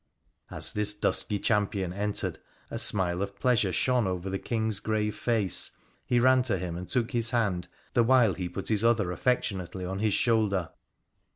As this dusky champion entered, a smile of pleasure shone over the King's grave face. He ran to him and took his hand, the while he put his other affectionately on his shoulder.